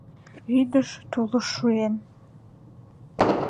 Вӱдыш-тулыш шуэн